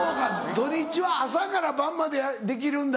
土・日は朝から晩までできるんだ。